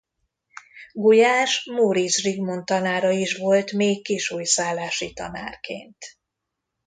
Gulyás Móricz Zsigmond tanára is volt még kisújszállási tanárként.